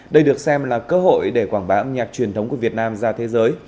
đây được xem là cơ hội để quảng bá âm nhạc truyền thống của việt nam ra thế giới